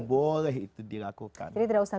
boleh itu dilakukan jadi tidak usah